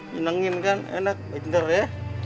nyenengin kan enak pinter ya